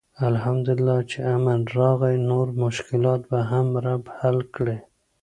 الحمدالله چې امن راغی، نور مشکلات به هم رب حل کړي.